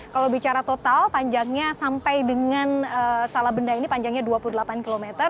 kalau bicara total panjangnya sampai dengan salabenda ini panjangnya dua puluh delapan km